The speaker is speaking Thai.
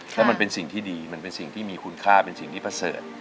เพราะมันเป็นสิ่งที่ดีมันเป็นสิ่งที่มีคุณค่าเป็นสิ่งที่ประเสริฐ